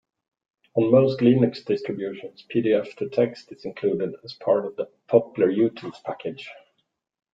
On most Linux distributions, pdftotext is included as part of the poppler-utils package.